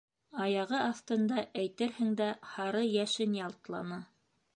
Аяғы аҫтында, әйтерһең дә, һары йәшен ялтланы.